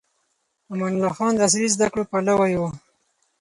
امان الله خان د عصري زده کړو پلوي و.